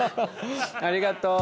ありがとう。